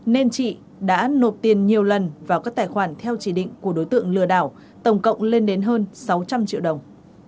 nên chị đã nộp tiền nhiều lần vào các tài khoản theo chỉ định của đối tượng lừa đảo tổng cộng lên đến hơn sáu trăm linh triệu đồng